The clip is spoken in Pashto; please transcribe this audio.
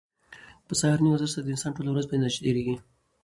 په سهارني ورزش سره د انسان ټوله ورځ په انرژۍ تېریږي.